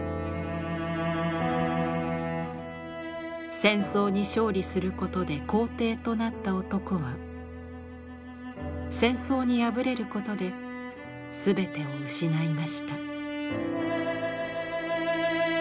戦争に勝利することで皇帝となった男は戦争に敗れることで全てを失いました。